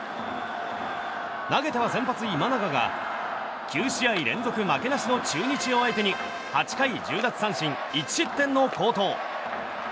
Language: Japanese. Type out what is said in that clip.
投げては先発、今永が９試合連続負けなしの中日を相手に８回１０奪三振１失点の好投。